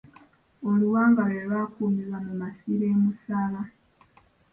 Oluwanga lwe lwakuumirwa mu masiro e Musaba.